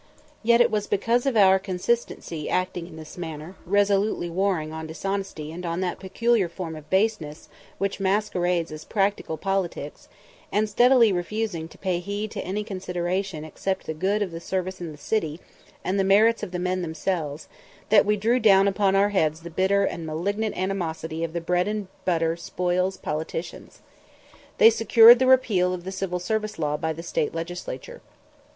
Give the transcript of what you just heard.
Yet it was because of our consistently acting in this manner, resolutely warring on dishonesty and on that peculiar form of baseness which masquerades as "practical" politics, and steadily refusing to pay heed to any consideration except the good of the service and the city, and the merits of the men themselves, that we drew down upon our heads the bitter and malignant animosity of the bread and butter spoils politicians. They secured the repeal of the Civil Service Law by the State Legislature.